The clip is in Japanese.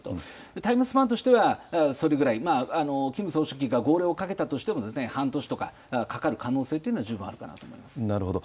タイムスパンとしてはそれぐらい、キム総書記が号令をかけたとしても、半年とかかかる可能性というなるほど。